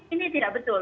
ini tidak betul